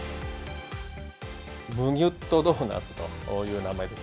むぎゅっとドーナツという名前です。